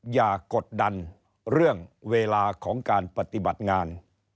อย่ากดดันเรื่องเวลาของการปฏิบัติงาน